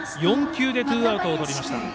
４球でツーアウトをとりました。